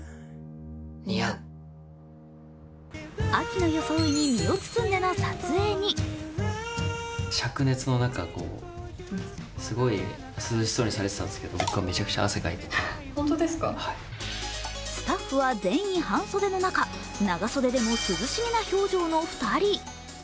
秋の装いに身を包んでの撮影にスタッフは全員半袖の中長袖でも涼しげな表情の２人。